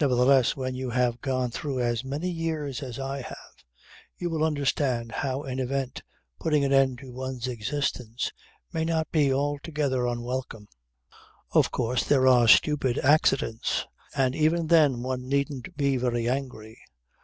Nevertheless, when you have gone through as many years as I have, you will understand how an event putting an end to one's existence may not be altogether unwelcome. Of course there are stupid accidents. And even then one needn't be very angry.